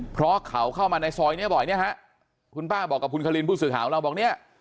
เพราะเขาเข้ามาในซอยนี้บ่อยคุณป้าบอกกับคุณคลินผู้สื่อข่าวของเรา